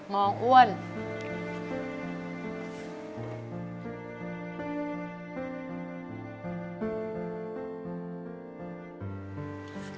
มองอ้วน